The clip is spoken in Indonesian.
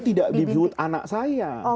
tidak dibut anak saya